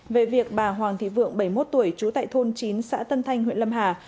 về việc bà hoàng thị vượng bảy mươi một tuổi trú tại thôn chín xã tân thanh huyện lâm hà